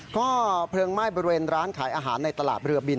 ก็เพลิงไหม้บริเวณร้านขายอาหารในตลาดเรือบิน